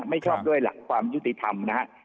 ไม่ชอบด้วยหลักความยุติธรรมนะครับ